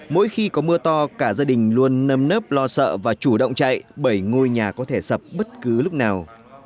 mỗi khi có mưa to cả gia đình luôn nâm nớp lo sợ và chủ động chạy bởi ngôi nhà có thể sập bất cứ lúc nào